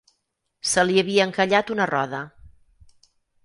Se li havia encallat una roda.